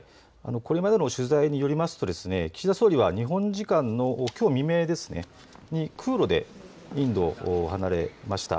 これまでの取材によると、岸田総理は日本時間のきょう未明に空路でインドを離れました。